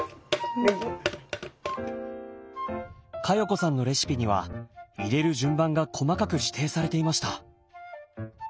加代子さんのレシピには入れる順番が細かく指定されていました。